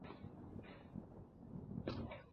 তিনি সংস্কৃত ও ইংরাজী সাহিত্যে দক্ষ ও ক্রীড়ামোদী ছিলেন।